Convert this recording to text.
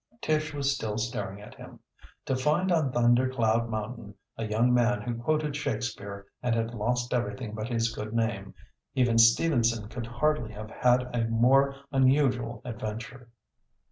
Tish was still staring at him. To find on Thunder Cloud Mountain a young man who quoted Shakespeare and had lost everything but his good name even Stevenson could hardly have had a more unusual adventure.